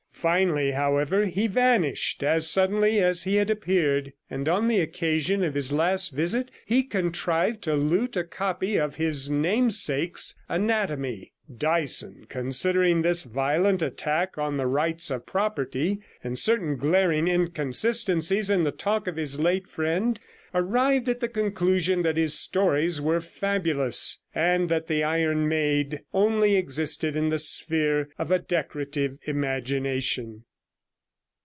Finally, however, he vanished as suddenly as he had appeared, and on the occasion of his last visit he contrived to loot a copy of his namesake's Anatomy. Dyson, considering this violent attack on the rights of property, and certain glaring inconsistencies in the talk of his late friend, arrived at the conclusion that his stories were fabulous, and that the Iron Maid only existed in the sphere of a decorative imagination.